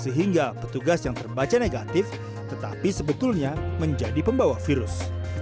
sehingga petugas yang terbaca negatif tetapi sebetulnya menjadi pembawa virus